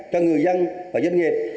cho người dân và doanh nghiệp